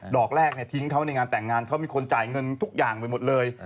อกแรกทิ้งเขาในงานแต่งงานเขามีคนจ่ายเงินทุกอย่างไปหมดเลย